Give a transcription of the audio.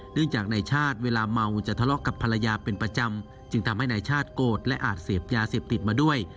เนื่องจากนายชาติเวลาเมาจะทะเลาะกับภรรยาเป็นประจำจึงทำให้นายชาติโกรธและอาจเสพยาเสพติดมาด้วย